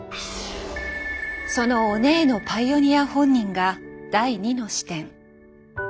そのオネエのパイオニア本人が第２の視点。